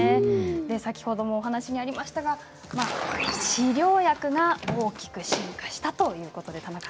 先ほどもお話にありましたが治療薬が大きく進化したということです。